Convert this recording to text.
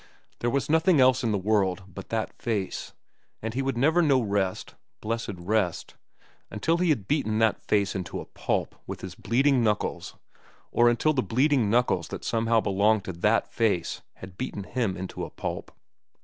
There was nothing else in the world but that face, and he would never know rest, blessed rest, until he had beaten that face into a pulp with his bleeding knuckles, or until the bleeding knuckles that somehow belonged to that face had beaten him into a pulp.